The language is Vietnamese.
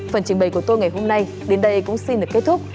phần trình bày của tôi ngày hôm nay đến đây cũng xin được kết thúc